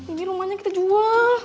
ini rumahnya kita jual